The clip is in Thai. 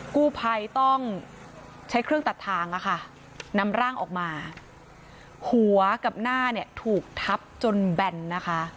กู้ภัยต้องใช้เครื่องตัดทางอะค่ะนำร่างออกมาหัวกับหน้าเนี่ยถูกทับจนแบนนะคะ